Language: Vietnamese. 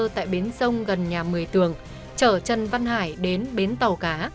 tại bến sông gần nhà mười tường chở chân văn hải đến bến tàu cá